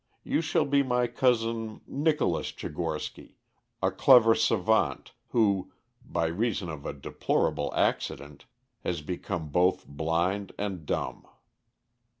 You shall be my cousin Nicholas Tchigorsky, a clever savant, who, by reason of a deplorable accident, has become both blind and dumb.